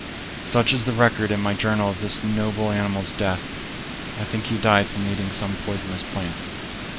Such is the record in my journal of this noble animal's death. I think he died from eating some poisonous plant.